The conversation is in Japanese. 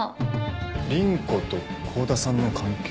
倫子と幸田さんの関係？